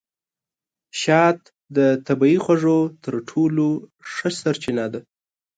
شات د طبیعي خوږو تر ټولو ښه سرچینه ده.